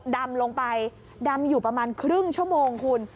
ดำลงไปดำอยู่ประมาณครึ่งชั่วโมงคุณ